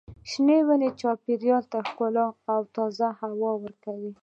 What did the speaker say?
شنې ونې چاپېریال ته ښکلا او تازه هوا ورکوي.